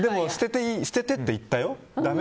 捨ててって言ったよ。